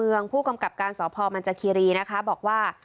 เพื่อนจังผู้กำกับการสอบพอร์มันจะคีรีนะคะบอกว่า